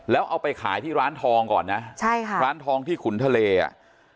แล้วเอาไปขายที่ร้านทองก่อนนะใช่ค่ะร้านทองที่ขุนทะเลอ่ะ